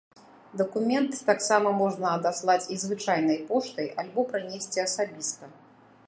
Дакумент таксама можна адаслаць і звычайнай поштай альбо прынесці асабіста.